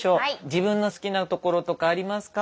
自分の好きなところとかありますか？